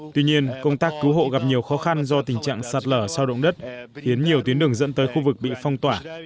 tuy nhiên công tác cứu hộ gặp nhiều khó khăn do tình trạng sạt lở sau động đất khiến nhiều tuyến đường dẫn tới khu vực bị phong tỏa